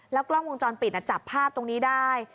กล้องวงจรปิดจับภาพตรงนี้ได้